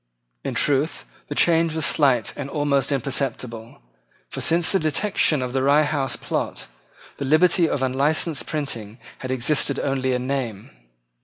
In truth, the change was slight and almost imperceptible; for, since the detection of the Rye House plot, the liberty of unlicensed printing had existed only in name.